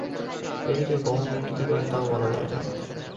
এ দিকে গবর্মেন্ট কী করে তাও বলা যায় না।